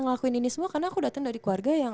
ngelakuin ini semua karena aku datang dari keluarga yang